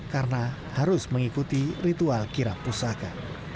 karena harus mengikuti ritual kirap pusaka